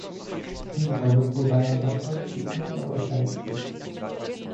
Z niego wypływają wartości Unii Europejskiej